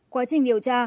quá trình điều tra